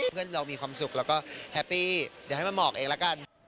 เพื่อนเรามีความสุขแล้วก็แฮปปี้เดี๋ยวให้มันหมอกเองแล้วกัน